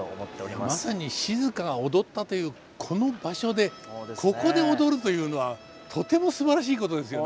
まさに静が踊ったというこの場所でここで踊るというのはとてもすばらしいことですよね。